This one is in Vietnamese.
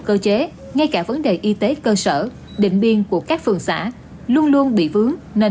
có rất nhiều cơ chế ngay cả vấn đề y tế cơ sở định biên của các phường xã luôn luôn bị vướng nên